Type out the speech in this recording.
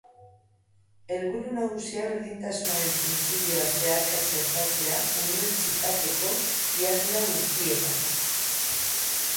Helburu nagusia, berdintasunaren printzipioa zeharka txertatzea, unibertsitateko iharduera guztietan.